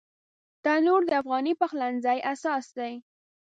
تنور د افغاني پخلنځي اساس دی